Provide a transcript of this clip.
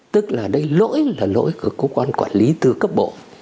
tức là đây lỗi là lỗi của cơ quan quản lý từ cấp bộ